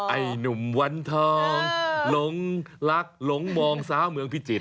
ไอ้หนุ่มวันทองหลงรักหลงมองสาวเมืองพิจิตร